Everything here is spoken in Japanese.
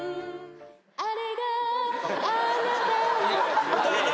「あれがあなたの」